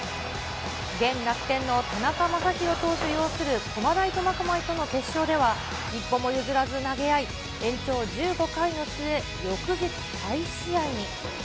現楽天の田中将大投手擁する駒大苫小牧との決勝では、一歩も譲らず投げ合い、延長１５回の末、翌日再試合に。